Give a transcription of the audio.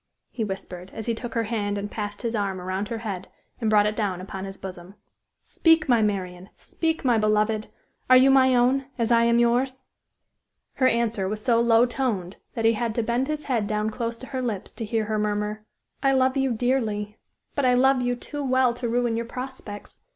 he whispered, as he took her hand and passed his arm around her head and brought it down upon his bosom. "Speak, my Marian! Speak, my beloved! Are you my own, as I am yours?" Her answer was so low toned that he had to bend his head down close to her lips to hear her murmur: "I love you dearly. But I love you too well to ruin your prospects.